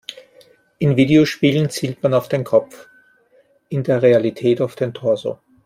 In Videospielen zielt man auf den Kopf, in der Realität auf den Torso.